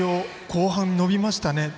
後半、伸びましたね。